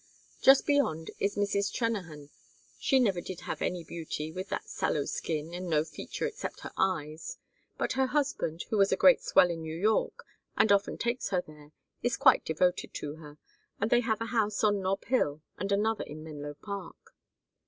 Just beyond is Mrs. Trennahan. She never did have any beauty with that sallow skin and no feature except her eyes; but her husband, who was a great swell in New York, and often takes her there, is quite devoted to her, and they have a house on Nob Hill and another in Menlo Park.